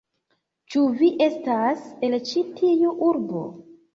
Ĉu vi estas el ĉi tiu urbo?